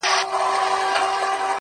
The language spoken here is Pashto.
بخت دي تور عقل کوټه دی خدای لیدلی!!